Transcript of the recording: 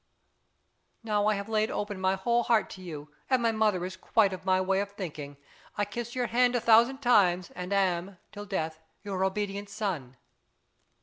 Now I have laid open my whole heart to you, and my mother is quite of my way of thinking. I kiss your hand a thousand times, and am, till death, your obedient son.